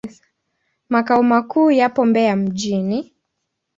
Makao makuu yapo Mbeya mjini.